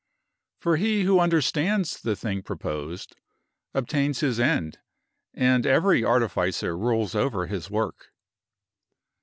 For he who understands the thing proposed, obtains his end, and every artificer rules over his work.